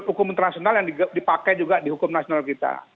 hukum internasional yang dipakai juga di hukum nasional kita